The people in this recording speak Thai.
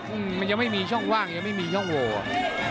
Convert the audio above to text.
อืมมันยังไม่มีช่องว่างยังไม่มีช่องโวอ่ะ